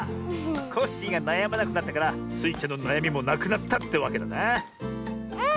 コッシーがなやまなくなったからスイちゃんのなやみもなくなったってわけだな。